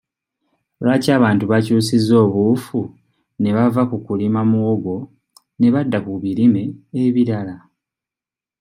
Lwaki abantu bakyusizza obuufu ne bava ku kulima muwogo ne badda ku birime ebirala?